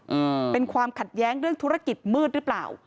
อืมเป็นความขัดแย้งเรื่องธุรกิจมืดหรือเปล่า